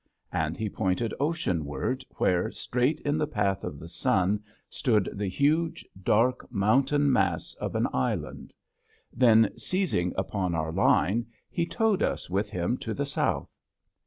And he pointed oceanward where, straight in the path of the sun stood the huge, dark, mountain mass of an island. Then, seizing upon our line, he towed us with him to the south.